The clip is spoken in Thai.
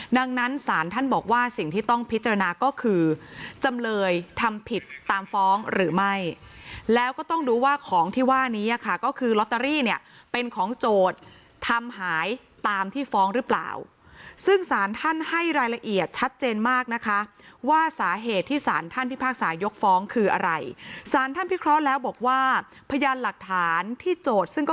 ดังนั้นศาลท่านบอกว่าสิ่งที่ต้องพิจารณาก็คือจำเลยทำผิดตามฟ้องหรือไม่แล้วก็ต้องดูว่าของที่ว่านี้ค่ะก็คือลอตเตอรี่เนี่ยเป็นของโจทย์ทำหายตามที่ฟ้องหรือเปล่าซึ่งสารท่านให้รายละเอียดชัดเจนมากนะคะว่าสาเหตุที่สารท่านพิพากษายกฟ้องคืออะไรสารท่านพิเคราะห์แล้วบอกว่าพยานหลักฐานที่โจทย์ซึ่งก็